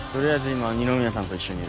今二宮さんと一緒にいる。